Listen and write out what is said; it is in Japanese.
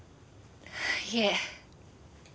いえ。